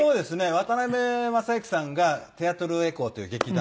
渡辺正行さんがテアトル・エコーという劇団の。